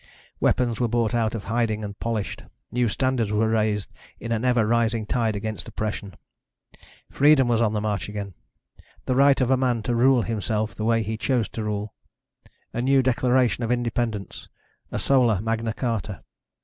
Weapons were brought out of hiding and polished. New standards were raised in an ever rising tide against oppression. Freedom was on the march again. The right of a man to rule himself the way he chose to rule. A new declaration of independence. A Solar Magna Carta.